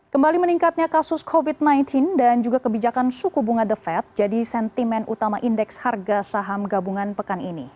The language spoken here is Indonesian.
kembali meningkatnya kasus covid sembilan belas dan juga kebijakan suku bunga the fed jadi sentimen utama indeks harga saham gabungan pekan ini